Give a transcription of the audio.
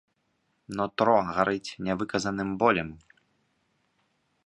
Нутро гарыць нявыказаным болем.